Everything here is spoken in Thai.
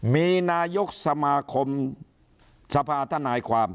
มีนายกสมาคมสภาธนายความ